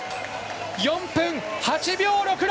４分８秒６６！